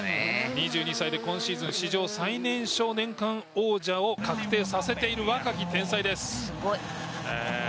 ２２歳で今シーズン史上最年少年間王者を確定させているすごい。